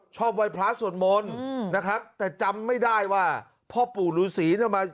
ชอบไว้พระส่วนมนต์นะครับแต่จำไม่ได้ว่าพ่อปู่ลื้อสีเนี่ย